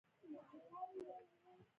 داسلام په پیغمبر ډېر ګران و.